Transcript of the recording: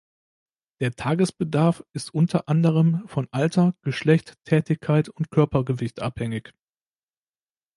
Der Tagesbedarf ist unter anderem von Alter, Geschlecht, Tätigkeit und Körpergewicht abhängig.